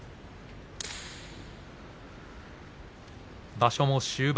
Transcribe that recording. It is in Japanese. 場所も終盤。